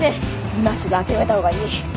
今すぐ諦めたほうがいい。